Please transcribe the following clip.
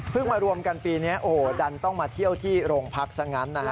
มารวมกันปีนี้โอ้โหดันต้องมาเที่ยวที่โรงพักซะงั้นนะฮะ